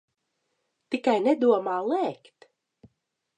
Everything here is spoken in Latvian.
Tikai nedomā lēkt.